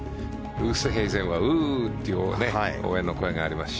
ウーストヘイゼンはウー！っていう応援の声がありますし。